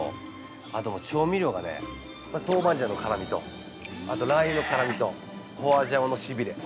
あと調味料がね、豆板醤の辛みとあとラー油の辛みと花椒のしびれ。